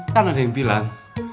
kan ada yang bilang